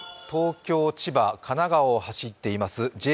東京、千葉、神奈川を走っています